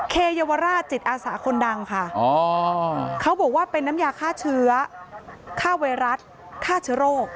เยาวราชจิตอาสาคนดังค่ะเขาบอกว่าเป็นน้ำยาฆ่าเชื้อฆ่าไวรัสฆ่าเชื้อโรค